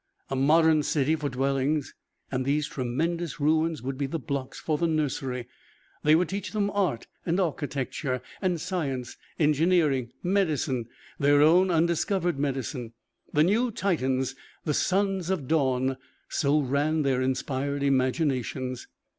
A modern city for dwellings, and these tremendous ruins would be the blocks for the nursery. They would teach them art and architecture and science. Engineering, medicine their own, undiscovered medicine the new Titans, the sons of dawn so ran their inspired imaginations.